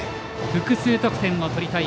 複数得点を取りたい